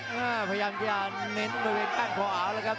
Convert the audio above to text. พยายามจะเน้นบริเวณแข้งขวาแล้วครับ